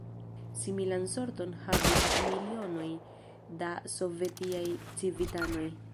Similan sorton havis milionoj da sovetiaj civitanoj.